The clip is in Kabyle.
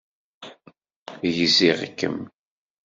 Gziɣ-kem.